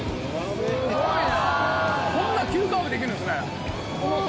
すごいな。